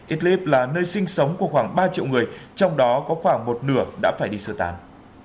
idlib là nơi sinh sống của khoảng ba triệu người trong đó có khoảng một nửa đã phải đi sơ tán